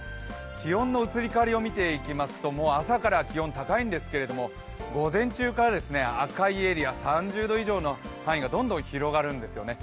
気温の移り変わりを見ていきますと、朝から気温高いんですけれども、午前中から赤いエリア、３０度以上の範囲がどんどん広がるんですよね。